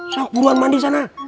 sak buruan mandi sana